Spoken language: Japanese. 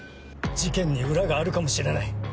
事件に裏があるかもしれない。